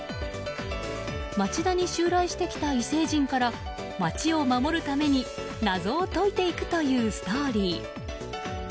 町田に襲来してきた異星人から街を守るために謎を解いていくというストーリー。